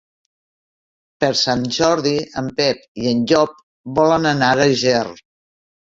Per Sant Jordi en Pep i en Llop volen anar a Ger.